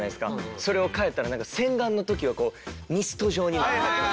それを変えたらなんか洗顔の時はこうミスト状になって出てくる。